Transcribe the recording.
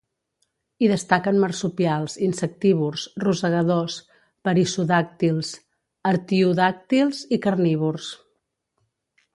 Hi destaquen marsupials, insectívors, rosegadors, perissodàctils, artiodàctils i carnívors.